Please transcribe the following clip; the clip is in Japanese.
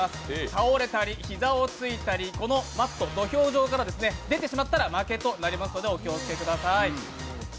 倒れたり、ひざをついたり、このマット、土俵上から出てしまったら負けとなりますのでご注意ください。